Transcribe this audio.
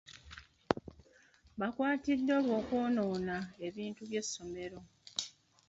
Baakwatiddwa olw'okwonoona ebintu by'essomero.